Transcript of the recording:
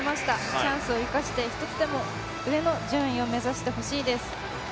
チャンスを生かして１つでも上の順位を目指してほしいです。